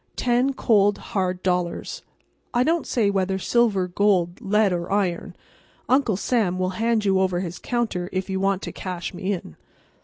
Ten cold, hard dollars—I don't say whether silver, gold, lead or iron—Uncle Sam will hand you over his counter if you want to cash me in.